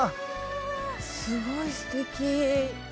すごいすてき！